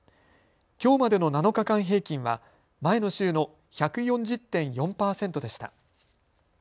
きょうまでの７日間平均は前の週の１４０．４％でした。